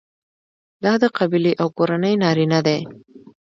دا د قبیلې او کورنۍ نارینه دي.